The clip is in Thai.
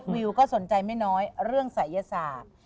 วิวก็สนใจไม่น้อยเรื่องศัยศาสตร์